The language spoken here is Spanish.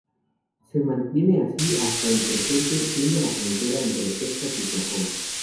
Se mantiene así hasta el presente, siendo la frontera entre Texas y Oklahoma.